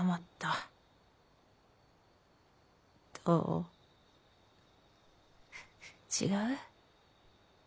どう違う？